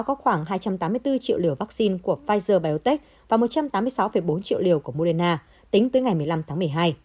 có khoảng hai trăm tám mươi bốn triệu liều vaccine của pfizer biotech và một trăm tám mươi sáu bốn triệu liều của moderna tính tới ngày một mươi năm tháng một mươi hai